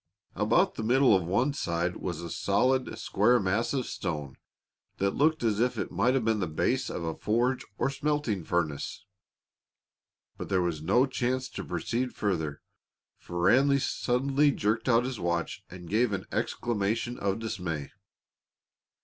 About the middle of one side was a solid, square mass of stone that looked as if it might have been the base of a forge or smelting furnace. But there was no chance to proceed further, for Ranny suddenly jerked out his watch and gave an exclamation of dismay.